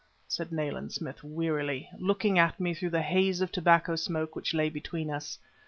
said Nayland Smith wearily, looking at me through the haze of tobacco smoke which lay between us.